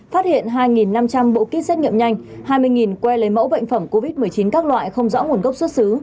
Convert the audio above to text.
phát hiện hai năm trăm linh bộ kit xét nghiệm nhanh hai mươi que lấy mẫu bệnh phẩm covid một mươi chín các loại không rõ nguồn gốc xuất xứ